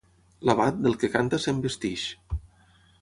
L'abat, del que canta, se'n vesteix.